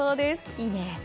いいね！